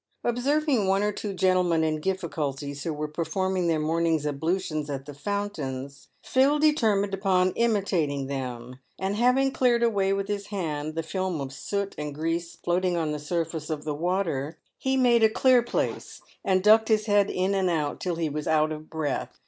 Observing one or two gentlemen in difficulties who were performing their morning's ablutions at the fountains, Phil determined upon imitating them, and having cleared away with his hand the film of soot and grease floating on the surface of the water, he made a clear place and ducked his head in and out till he was out of breath.